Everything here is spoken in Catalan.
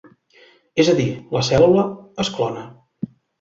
És a dir, la cèl·lula es clona.